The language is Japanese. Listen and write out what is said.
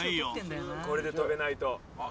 これで跳べないと。